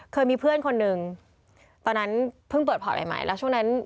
เคยมีเพื่อนคนหนึ่งตอนนั้นเพิ่งเปิดพอร์ตใหม่ใหม่แล้วช่วงนั้น